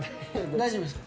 大丈夫ですか？